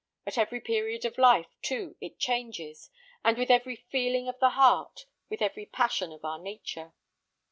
At every period of life, too, it changes, and with every feeling of the heart, with every passion of our nature.